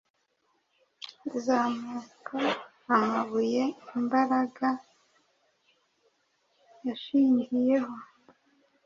izamuka-amabuye imbaraga yashingiyeho